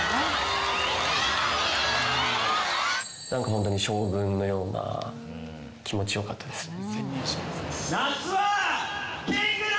本当に将軍のような、気持ちよかったですね。